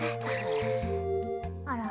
あら？